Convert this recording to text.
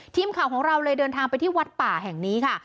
ทีมข่าวของเราเลยเดินทางไปที่วัดป่าแห่งนี้ค่ะ